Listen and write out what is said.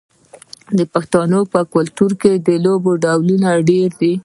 د پښتنو په کلتور کې د لوبو ډولونه ډیر دي.